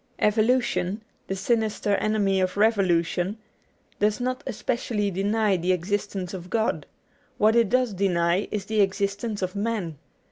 Evolution (the sinister enemy of revolution) does not especially deny the existence of God : what it does deny is the existence of man.